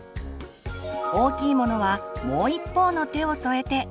大きいものはもう一方の手を添えて。